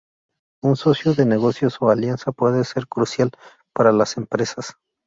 Un socio de negocios o alianza puede ser crucial para las empresas.